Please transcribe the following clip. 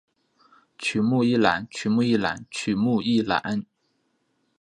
曲目一览曲目一览曲目一览